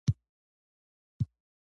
تفریح ښه دی.